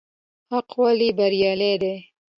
حق ولې بريالی دی؟